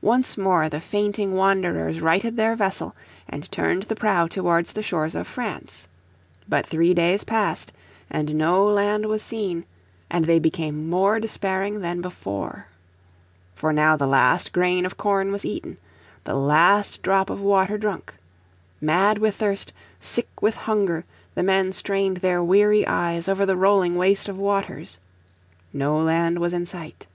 Once more the fainting wanderers righted their vessel, and turned the prow towards the shores of France. But three days passed, and no land was seen, and they became more despairing than before. For now the last grain of corn was eaten, the last drop of water drunk. Mad with thirst, sick with hunger, the men strained their weary eyes over the rolling waste of waters. No land was in sight.